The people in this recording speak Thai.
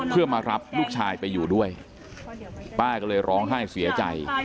เพื่อมารับลูกชายไปอยู่ด้วยป้าก็เลยร้องไห้เสียใจ